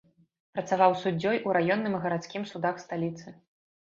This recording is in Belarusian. Працаваў суддзёй у раённым і гарадскім судах сталіцы.